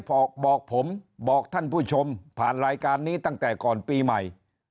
บอกผมบอกท่านผู้ชมผ่านรายการนี้ตั้งแต่ก่อนปีใหม่